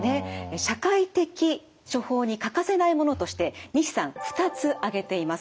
社会的処方に欠かせないものとして西さん２つ挙げています。